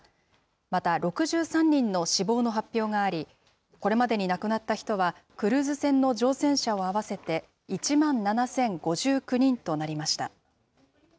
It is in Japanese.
また６３人の死亡の発表があり、これまでに亡くなった人は、クルーズ船の乗船者を合わせて１万７０５９人となりました。